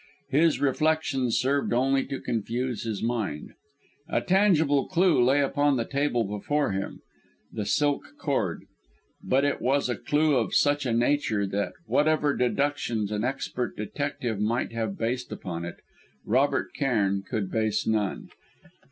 His reflections served only to confuse his mind. A tangible clue lay upon the table before him the silken cord. But it was a clue of such a nature that, whatever deductions an expert detective might have based upon it, Robert Cairn could base none.